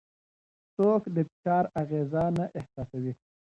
څوک د فشار اغېزه نه احساسوي؟